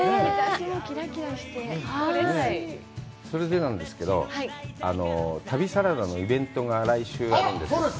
それでなんですけど、旅サラダのイベントが来週あるんですよ。